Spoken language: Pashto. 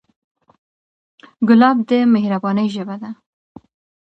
ګلاب د مهربانۍ ژبه ده.